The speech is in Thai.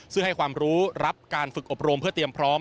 ซึ่งให้ความรู้รับการฝึกอบรมเพื่อเตรียมพร้อม